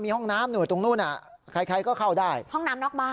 มีห้องน้ำนู่นตรงนู้นอ่ะใครใครก็เข้าได้ห้องน้ำนอกบ้าน